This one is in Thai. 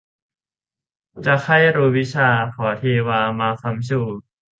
จะใคร่รู้วิชา ขอเทวามาค้ำชู